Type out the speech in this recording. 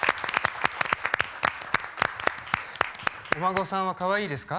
お孫さんはかわいいですか？